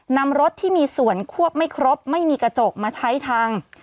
นำรถที่มีส่วนควบไม่ครบไม่มีกระจกมาใช้ทาง